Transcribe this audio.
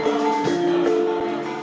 hanya dengan rupiah